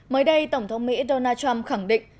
mới đây tổng thống mỹ donald trump khẳng định